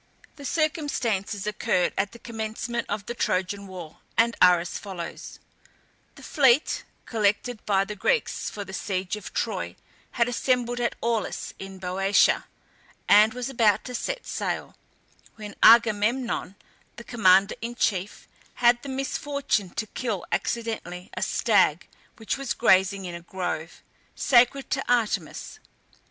The circumstances occurred at the commencement of the Trojan war, and are as follows: The fleet, collected by the Greeks for the siege of Troy, had assembled at Aulis, in Boeotia, and was about to set sail, when Agamemnon, the commander in chief, had the misfortune to kill accidentally a stag which was grazing in a grove, sacred to Artemis.